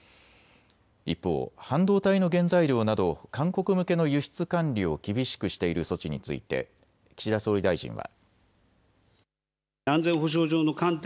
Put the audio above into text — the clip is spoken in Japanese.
一方、半導体の原材料など韓国向けの輸出管理を厳しくしている措置について岸田総理大臣は。